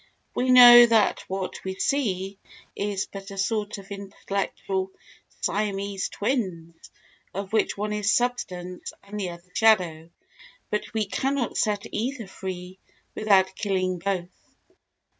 We know that what we see is but a sort of intellectual Siamese twins, of which one is substance and the other shadow, but we cannot set either free without killing both.